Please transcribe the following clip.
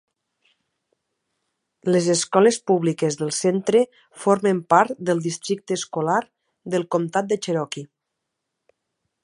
Les escoles públiques del centre formen part del districte escolar del comtat de Cherokee.